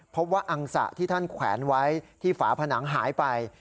เพราะว่าอังษะที่ท่านแขวนไว้ที่ฝาผนังหายไป